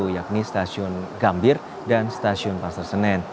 yakni stasiun gambir dan stasiun pasar senen